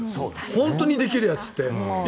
本当にできるやつって。